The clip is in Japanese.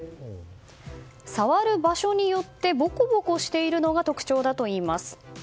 触る場所によってボコボコしているのが特徴だといいます。